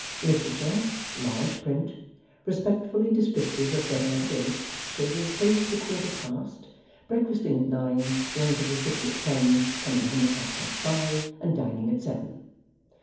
Literature; large print, respectfully descriptive of getting up at eight, shaving close at a quarter past, breakfasting at nine, going to the City at ten, coming home at half past five, and dining at seven.